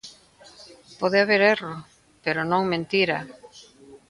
Pode haber erro, pero non mentira.